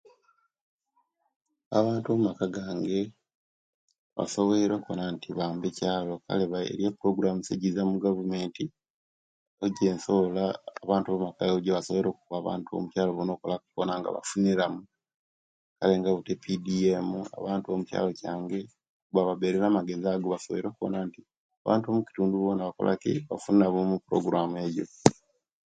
Abantu omumaka gange basoboile okubona nti bamba ekyaalo kale epuloguramuzi egyiza omugavumenti, ejebasobola abantu bo mukyaalo okukolaku bona nga bafunilamu, kale nga buti epidiyemu abantu bo mukyalo kyange ibo babaire bamagezi basoboile okubona inti abantu bo mukitundu bonabona bakola ki, bafunamu omupuloguramu egyo.